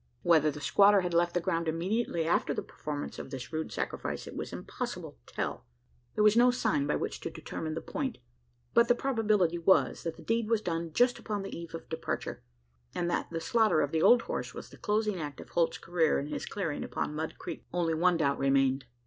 Whether the squatter had left the ground immediately after the performance of this rude sacrifice, it was impossible to tell. There was no sign by which to determine the point; but the probability was, that the deed was done just upon the eve of departure; and that the slaughter of the old horse was the closing act of Holt's career in his clearing upon Mud Creek. Only one doubt remained.